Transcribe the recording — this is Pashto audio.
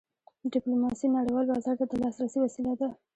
ډیپلوماسي نړیوال بازار ته د لاسرسي وسیله ده.